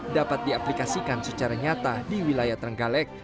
dapat diaplikasikan secara nyata di wilayah terenggalek